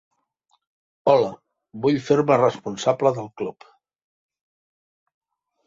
Hola, vull fer-me responsable del club.